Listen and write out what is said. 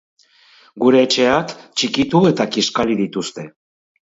Gure etxeak txikitu eta kiskali dituzte.